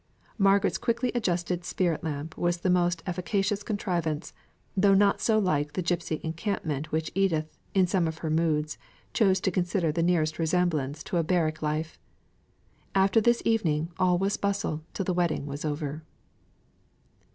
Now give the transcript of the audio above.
Margaret's quickly adjusted spirit lamp was the most efficacious contrivance, though not so like the gypsy encampment which Edith, in some of her moods, chose to consider the nearest resemblance to a barrack life. After this evening all was bustle till the wedding was over.